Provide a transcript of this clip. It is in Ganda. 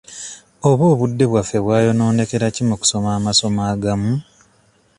Oba obudde bwaffe bwayonoonekera ki mu kusoma amasomo agamu?